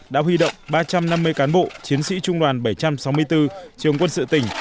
đã huy động ba trăm năm mươi cán bộ chiến sĩ trung đoàn bảy trăm sáu mươi bốn trường quân sự tỉnh